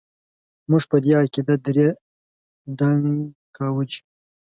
موږ په دې عقيده دړي دنګ کاوو چې ...